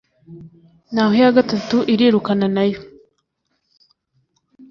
naho iya gatatu irirukana nayo